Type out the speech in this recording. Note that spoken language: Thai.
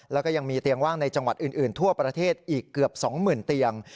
แล้วก็ยังมีเตียงว่างในจังหวัดอื่นทั่วประเทศอีกเกือบ๒๐๐๐เตียง